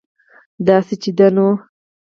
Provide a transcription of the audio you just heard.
داسې چې ده نو